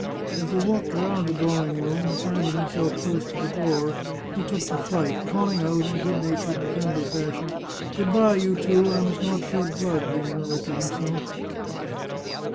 As he walked round the drawing room, find ing himself close to the door, he took to flight, calling out, in good natured and friendly fashion, " Good bye, you two! — I must not shed blood," he murmured to himself.